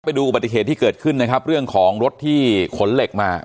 อุบัติเหตุที่เกิดขึ้นนะครับเรื่องของรถที่ขนเหล็กมา